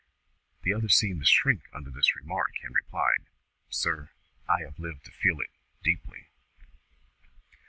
The other seemed to shrink under this remark, and replied, "Sir, I have lived to feel it deeply."